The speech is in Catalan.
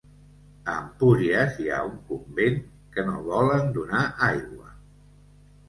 A Empúries hi ha un convent que no volen donar aigua.